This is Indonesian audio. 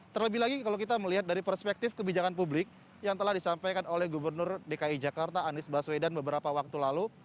terlebih lagi kalau kita melihat dari perspektif kebijakan publik yang telah disampaikan oleh gubernur dki jakarta anies baswedan beberapa waktu lalu